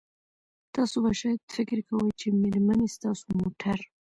تاسو به شاید فکر کوئ چې میرمنې ستاسو موټر